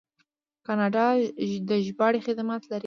کاناډا د ژباړې خدمات لري.